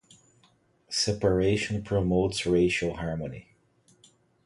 Separation promotes racial harmony.